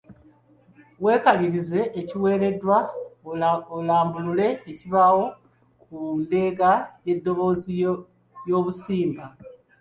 Weekalirize ekikuweereddwa olambulule ekibaawo ku ndeega y’eddoboozi ey’obusimba.